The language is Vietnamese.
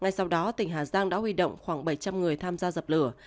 ngay sau đó tỉnh hà giang đã huy động khoảng bảy trăm linh người tham gia dập lửa